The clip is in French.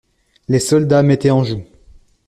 Les soldats mettaient en joue.